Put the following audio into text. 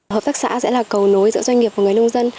hợp tác xã sẽ là cầu nối giữa doanh nghiệp và người nông dân